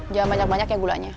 jangan banyak banyak ya gulanya